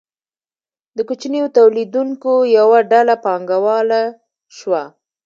د کوچنیو تولیدونکو یوه ډله پانګواله شوه.